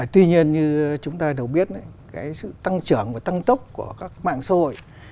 tuy nhiên như chúng ta đều biết sự tăng trưởng và tăng tốc của các mạng xã hội